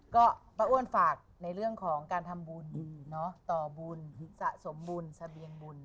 ก็ป้าอ้วนฝากในเรื่องของการทำบุญต่อบุญสะสมบุญเสบียงบุญ